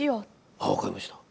あ分かりました。